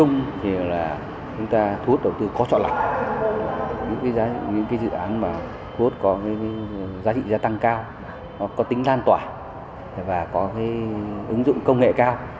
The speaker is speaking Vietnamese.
giá trị giá tăng cao có tính lan tỏa và có ứng dụng công nghệ cao